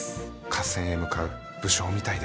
合戦へ向かう武将みたいですね。